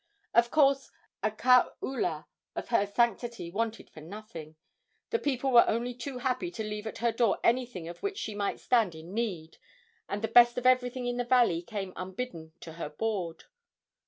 Of course a kaula of her sanctity wanted for nothing. The people were only too happy to leave at her door anything of which she might stand in need, and the best of everything in the valley came unbidden to her board.